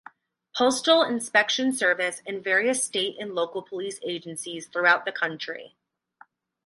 Postal Inspection Service and various state and local police agencies throughout the country.